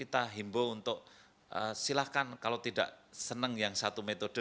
kita himbo untuk silahkan kalau tidak senang yang satu metode